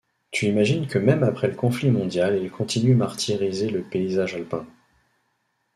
Tu imagines que même après le conflit mondial ils continuent martyriser le paysage alpin.